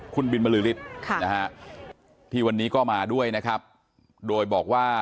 คุณบินบรือฤทธิ์ที่วันนี้ก็มาด้วยนะครับโดยบอกว่า